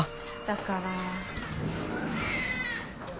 だから。